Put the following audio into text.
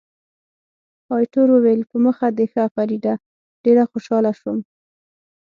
ایټور وویل، په مخه دې ښه فریډه، ډېر خوشاله شوم.